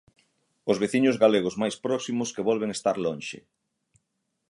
Os veciños galegos máis próximos que volven estar lonxe.